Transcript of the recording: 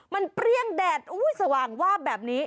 มันเปรี้ยงแดดสว่างว่าแบบนี้